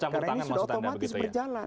karena ini sudah otomatis berjalan